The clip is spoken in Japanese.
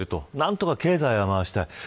何とか経済は回したい。